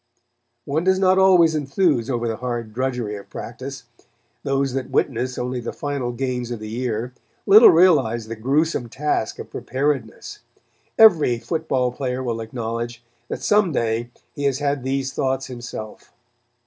One does not always enthuse over the hard drudgery of practice. Those that witness only the final games of the year, little realize the gruesome task of preparedness. Every football player will acknowledge that some day he has had these thoughts himself.